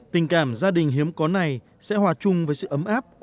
tình cảm gia đình hiếm có này sẽ hòa chung với sự ấm áp